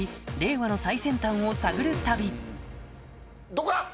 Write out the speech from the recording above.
どこだ！